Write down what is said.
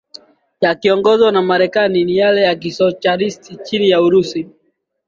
Yakiongozwa na Marekani na yale ya Kisoshalisti chini ya Urusi